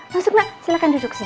masuk nak silahkan duduk sini